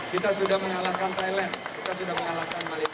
kita sudah mengalahkan thailand kita sudah mengalahkan malaysia